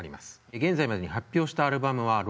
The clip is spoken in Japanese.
現在までに発表したアルバムは６作。